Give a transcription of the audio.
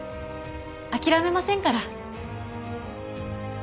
諦めませんから。